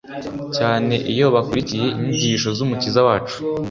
cyane iyo bakurikiye inyigisho z’Umukiza wacu